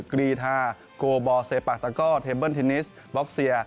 กรีทาโกบอลเซปรากตะกอลเทมเบิลทินิสบล็อกเซีย